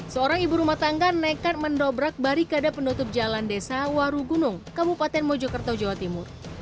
seorang ibu rumah tangga nekat mendobrak barikade penutup jalan desa warugunung kabupaten mojokerto jawa timur